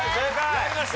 やりました。